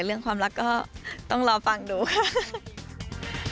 เรื่องความรักก็ต้องรอฟังดูค่ะ